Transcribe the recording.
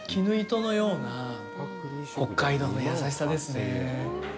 絹糸のような、北海道の優しさですね。